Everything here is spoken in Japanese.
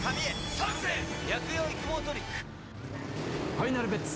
ファイナルベッツ！